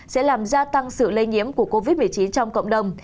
sẽ làm gia tăng sự lây nhiễm của covid một mươi chín trong cộng đồng